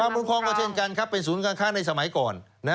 คุ้มครองก็เช่นกันครับเป็นศูนย์การค้าในสมัยก่อน